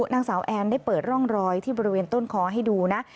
นางสาวแอนได้เปิดร่องรอยที่บริเวณต้นคอให้ดูนะ